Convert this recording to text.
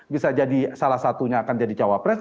bisa jadi salah satunya akan jadi cawapres